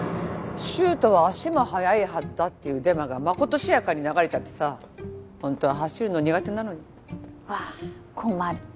柊人は足も速いはずだっていうデマがまことしやかに流れちゃってさホントは走るの苦手なのにうわ困る